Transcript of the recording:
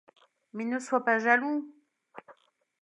Mais ne sois pas jaloux !